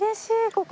ここ。